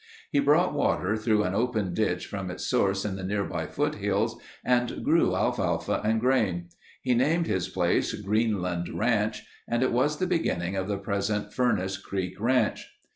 He brought water through an open ditch from its source in the nearby foothills and grew alfalfa and grain. He named his place Greenland Ranch and it was the beginning of the present Furnace Creek Ranch.